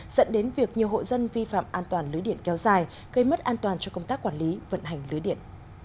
dẫn đến việc nhiều hộ dân vi phạm an toàn lưới điện kéo dài gây mất an toàn cho công tác quản lý vận hành lưới điện